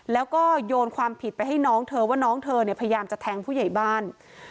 แล้วก็โยนความผิดไปให้น้องเธอว่าน้องเธอเนี่ยพยายามจะแทงผู้ใหญ่บ้าน